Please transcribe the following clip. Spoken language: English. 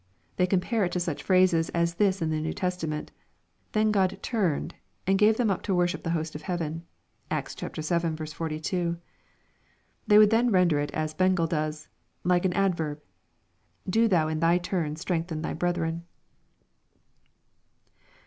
Th&^ com pare it to such phrases as this in the New Testament, "Then Grod turned^ and gave them up to worship the host of heaven." (Acta viL 42.) They would then render it as Bengel does, hke an ad verb, " do thou in thy turn strengthen thy brethren."